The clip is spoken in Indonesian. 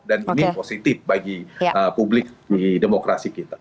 dan ini positif bagi publik di demokrasi kita